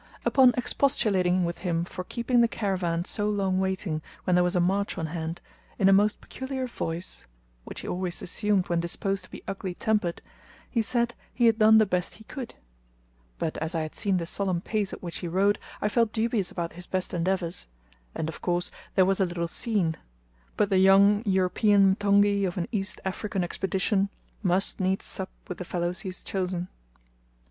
Upon expostulating with him for keeping the caravan so long waiting when there was a march on hand, in a most peculiar voice which he always assumed when disposed to be ugly tempered he said he had done the best he could; but as I had seen the solemn pace at which he rode, I felt dubious about his best endeavours; and of course there was a little scene, but the young European mtongi of an East African expedition must needs sup with the fellows he has chosen.